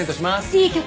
いい曲！